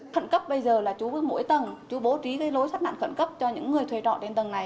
khẩn cấp bây giờ là chú mỗi tầng chú bố trí cái lối thoát nạn khẩn cấp cho những người thuê trọ trên tầng này